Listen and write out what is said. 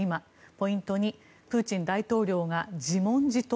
ポイント２プーチン大統領が自問自答？